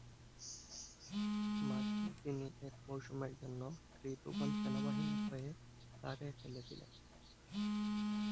মাঝে তিনি এক মৌসুমের জন্য ত্রিভুবন সেনাবাহিনীর হয়ে ধারে খেলেছেন।